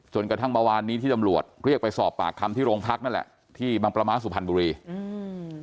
จนกระทั่งเมื่อวานนี้ที่ตำรวจเรียกไปสอบปากคำที่โรงพักนั่นแหละที่บางประมาทสุพรรณบุรีอืม